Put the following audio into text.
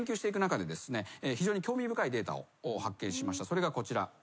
それがこちら。